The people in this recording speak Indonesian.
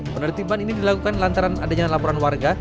penertiban ini dilakukan lantaran adanya laporan warga